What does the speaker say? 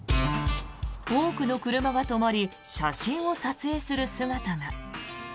多くの車が止まり写真を撮影する姿が。